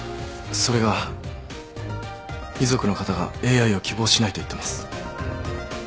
それが遺族の方がＡｉを希望しないと言ってます。